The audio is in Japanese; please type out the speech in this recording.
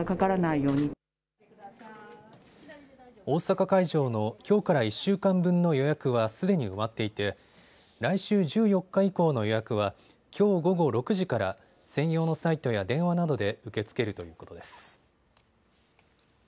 大阪会場のきょうから１週間分の予約はすでに埋まっていて来週１４日以降の予約はきょう午後６時から専用のサイトや電話などで受け付けるということです。